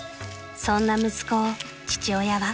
そんな息子を父親は］